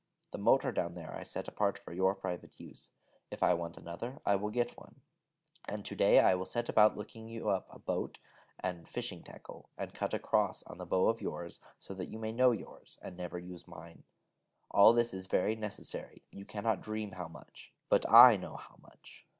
The motor down there I set apart for your private use: if I want another, I will get one; and to day I will set about looking you up a boat and fishing tackle, and cut a cross on the bow of yours, so that you may know yours, and never use mine. All this is very necessary: you cannot dream how much: but I know how much.